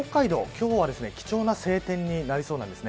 今日は貴重な晴天になりそうです。